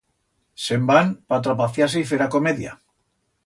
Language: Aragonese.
Se'n van pa atrapaciar-se y fer a comedia.